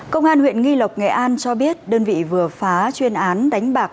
công an huyện nghi lộc nghệ an cho biết đơn vị vừa phá chuyên án đánh bạc